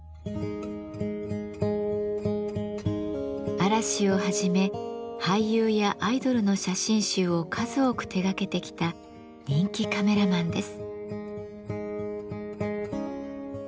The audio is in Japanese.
「嵐」をはじめ俳優やアイドルの写真集を数多く手がけてきた人気カメラマンです。